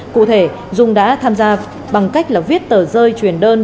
cụ thể dung đã tham gia bằng cách là viết tờ rơi truyền đơn